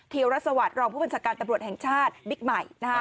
เทียวรัฐสวรรค์รองผู้บริษัทการตำรวจแห่งชาติบิ๊กใหม่